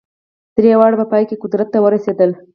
درې واړه په پای کې قدرت ته ورسېدل.